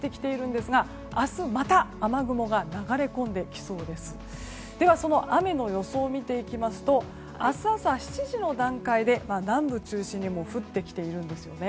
では、その雨の予想を見ていきますと明日朝７時の段階で南部を中心に降ってきているんです。